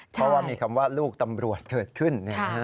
เพราะว่ามีคำว่าลูกตำรวจเกิดขึ้น